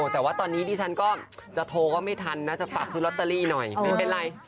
แต่ว่าตอนนี้ดิฉันก็จะโทรก็ไม่ทันนะจะปรับซื้อลอตเตอรี่หน่อยไม่เป็นไร